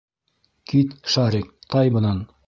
Кит, Шарик, тай бынан!